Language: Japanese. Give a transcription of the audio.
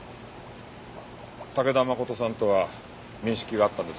武田誠さんとは面識があったんですか？